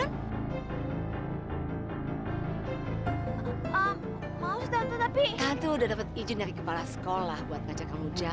nanti aja justru pemanggil gue ke tempat ini baik baik aja